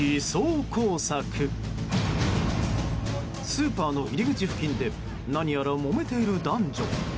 スーパーの入り口付近で何やら、もめている男女。